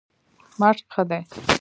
مشق ښه دی.